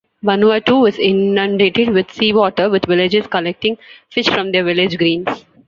Vanuatu was inundated with seawater with villagers collecting fish from their village greens.